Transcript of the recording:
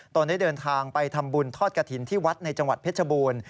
ได้เดินทางไปทำบุญทอดกระถิ่นที่วัดในจังหวัดเพชรบูรณ์